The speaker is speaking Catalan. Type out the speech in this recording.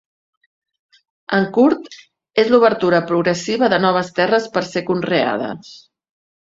En curt, és l'obertura progressiva de noves terres per a ser conreades.